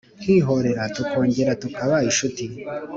Nkihorera tukongera tukaba inshuti